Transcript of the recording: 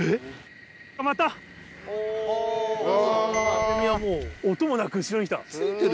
ハゼ美はもう音もなく後ろに来た。